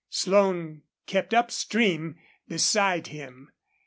Slone kept up stream beside him.